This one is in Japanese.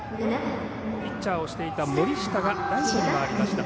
ピッチャーをしていた森下がライトに回りました。